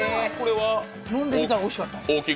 飲んでみたら、おいしかった。